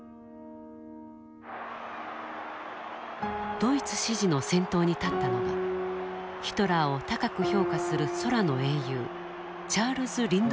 ドイツ支持の先頭に立ったのがヒトラーを高く評価する空の英雄チャールズ・リンドバーグであった。